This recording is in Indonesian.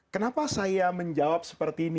kenapa saya menjawab seperti ini